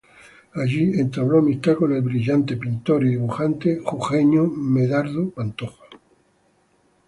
Allí entabló amistad con el brillante pintor y dibujante Jujeño Medardo Pantoja.